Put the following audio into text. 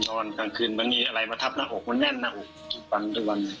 นอนกลางคืนมันมีอะไรมาทับหน้าอกมันแน่นหน้าอกฟันทุกวัน